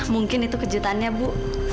mungkin itu kejutan ya bu